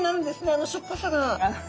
あのしょっぱさが。